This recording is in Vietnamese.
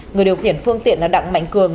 người điều khiển phương tiện là đặng mạnh cường